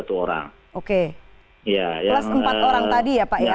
plus empat orang tadi ya pak ya